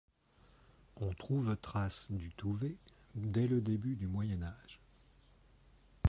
On trouve trace du Touvet dès le début du Moyen Âge.